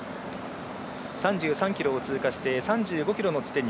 ３３ｋｍを通過して３５ｋｍの地点に